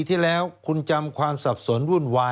สวัสดีค่ะต้องรับคุณผู้ชมเข้าสู่ชูเวสตีศาสตร์หน้า